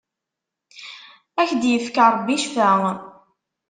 Ad ak-d-ifk Rebbi Ccfa!